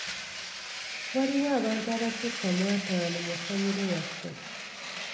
Waliwo abantu abasukka mu ataano mu famire yaffe.